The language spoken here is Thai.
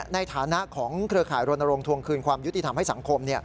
ในฐานะของเครือข่ายรณรงควงคืนความยุติธรรมให้สังคม